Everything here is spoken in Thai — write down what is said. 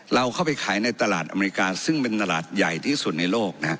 เราเข้าไปขายในตลาดอเมริกาซึ่งเป็นตลาดใหญ่ที่สุดในโลกนะฮะ